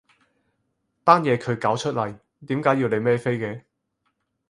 單嘢佢搞出嚟，點解要你孭飛嘅？